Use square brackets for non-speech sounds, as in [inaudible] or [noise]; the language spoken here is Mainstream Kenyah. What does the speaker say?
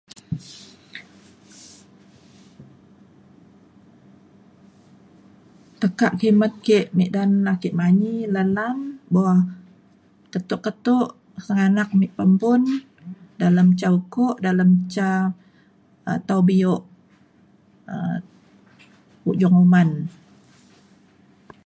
[noise] tekak kimet ke midan ake manyi lan lan buk keto keto sengganak me membun dalem ca ukok dalem ca um tau bio um ujong uman.